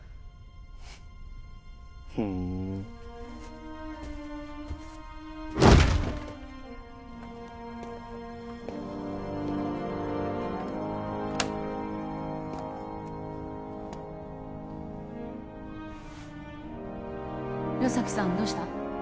フッふん岩崎さんどうした？